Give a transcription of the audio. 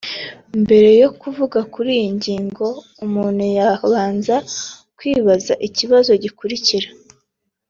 Mbere yo kuvuga kuri iyi ngingo umuntu yabanza kwibaza ikibazo gikurikira